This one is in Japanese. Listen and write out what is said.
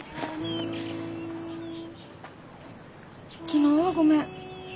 昨日はごめん。